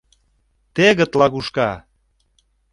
Тегыт лагушка!..